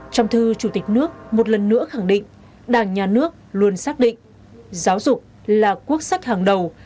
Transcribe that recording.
trong thư chủ tịch nước một lần nữa khẳng định đảng nhà nước luôn xác định giáo dục là quốc sách hàng đầu